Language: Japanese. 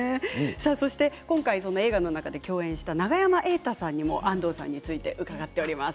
今回、映画の中で共演した永山瑛太さんにも安藤さんについて伺っています。